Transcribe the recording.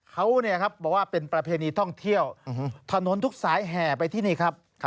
เขาบอกว่าเป็นประเพณีท่องเที่ยวถนนทุกสายแห่ไปที่นี่ครับ